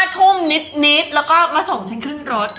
ทุ่มนิดแล้วก็มาส่งฉันขึ้นรถ